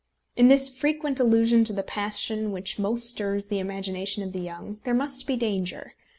In this frequent allusion to the passion which most stirs the imagination of the young, there must be danger.